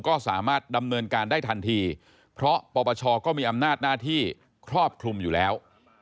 ก็สามารถดำเนินการได้ทันทีเพราะปปชก็มีอำนาจหน้าที่ครอบคลุมอยู่แล้ว